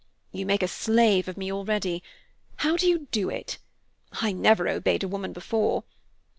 "You make a slave of me already. How do you do it? I never obeyed a woman before.